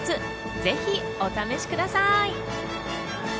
ぜひ、お試しください。